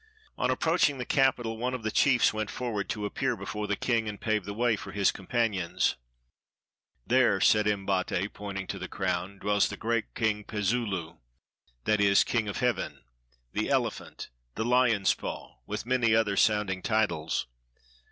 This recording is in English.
On approaching the capital, one of the chiefs went forward to appear before the king, and pave the way for his companions. "There," said Umbate, pointing to the town, "dwells the great King Pezoolu (that is, King of Heaven) — the Elephant! the Lion's Paw!" with many other sounding titles.